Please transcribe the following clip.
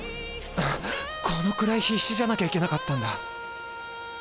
あっこのくらい必死じゃなきゃいけなかったんだ。